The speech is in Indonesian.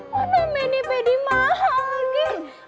mana mini bedi mahal lagi